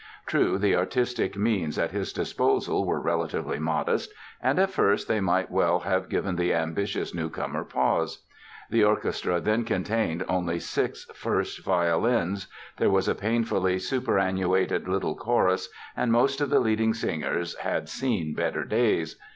True, the artistic means at his disposal were relatively modest and at first they might well have given the ambitious newcomer pause. The orchestra then contained only six first violins; there was a painfully superannuated little chorus and most of the leading singers had seen better days.